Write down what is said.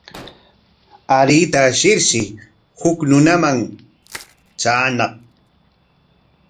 Aruyta ashirshi huk runaman traañaq.